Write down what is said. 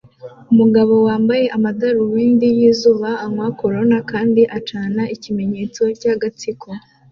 Umugabo wambaye amadarubindi yizuba anywa corona kandi acana ikimenyetso cyagatsiko